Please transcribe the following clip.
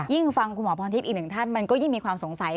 ฟังคุณหมอพรทิพย์อีกหนึ่งท่านมันก็ยิ่งมีความสงสัย